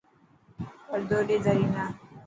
پردو ڏي دري نا.